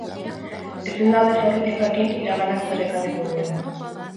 Ezin da aldez aurretik jakin iraganak zer ekarriko duen.